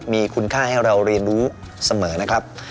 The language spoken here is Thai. มีคุณค่าให้เราเรียนรู้เสมอนะครับ